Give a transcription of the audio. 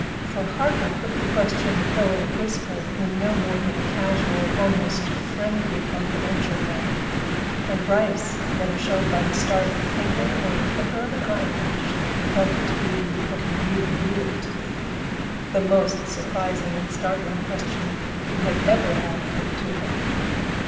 For Harker put the question, though in a whisper, in no more than a casual, almost friendlily confidential way, and Bryce never showed by the start of a finger or the flicker of an eyelash that he felt it to be what he really knew it to be the most surprising and startling question he had ever had put to him.